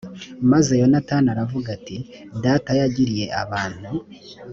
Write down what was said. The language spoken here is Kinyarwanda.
maze yonatani aravuga ati data yagiriye abantu